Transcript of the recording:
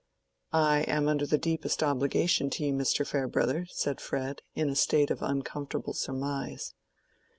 "I am under the deepest obligation to you, Mr. Farebrother," said Fred, in a state of uncomfortable surmise.